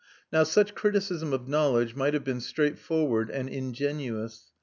Now such criticism of knowledge might have been straightforward and ingenuous.